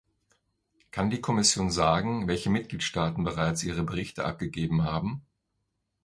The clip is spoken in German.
Kann die Kommission sagen, welche Mitgliedstaaten bereits ihre Berichte abgegeben haben?